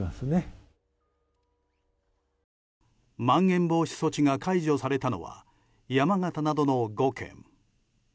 まん延防止措置が解除されたのは山形などの５県。